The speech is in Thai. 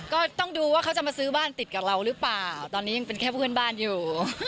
ก็ต้องดูว่าเขาจะมาซื้อบ้านติดกับเราหรือเปล่าตอนนี้ยังเป็นแค่เพื่อนบ้านอยู่